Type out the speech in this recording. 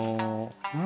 うん！